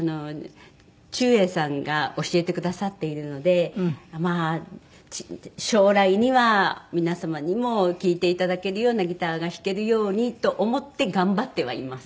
忠英さんが教えてくださっているのでまあ将来には皆様にも聴いていただけるようなギターが弾けるようにと思って頑張ってはいます。